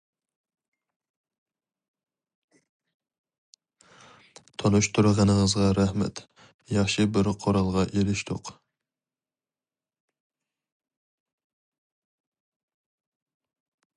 تونۇشتۇرغىنىڭىزغا رەھمەت، ياخشى بىر قورالغا ئېرىشتۇق.